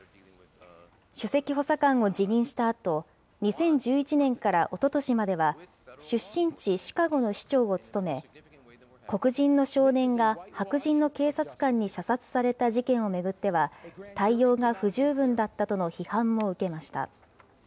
首席補佐官を辞任したあと、２０１１年からおととしまでは、出身地シカゴの市長を務め、黒人の少年が白人の警察官に射殺された事件を巡っては、対応が不十分だったとの批判も受けました。